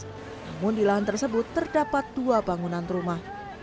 namun di lahan tersebut terdapat dua bangunan rumah